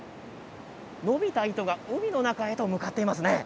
伸びた糸が海の中へと向かってますね。